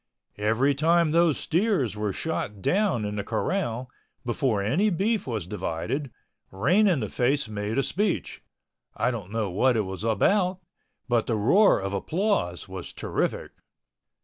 Every time those steers were shot down in the corral, before any beef was divided, Rain in the Face made a speech—I don't know what it was about, but the roar of applause was terrific.